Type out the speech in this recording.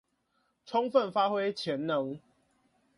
充分發揮潛能